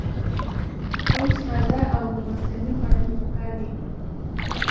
فروټس تازه او موسمي خوړل پکار وي -